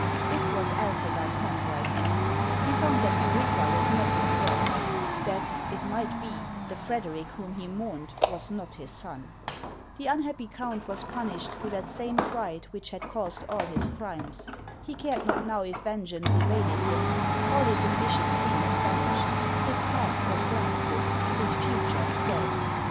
This was Elphega's handwriting. He found that Ulrica was not his daughter ; that, it might be, the Frederic whom he mourned was not his son. The un happy count was punished through that same pride which had caused all his crimes. He cared not now if vengeance evaded him ; all his ambitious dreams van ished, — his past was blasted, his future dead.